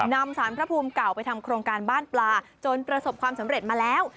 นำสารพระภูมิเก่าไปทำโครงการบ้านปลาจนประสบความสำเร็จมาแล้ว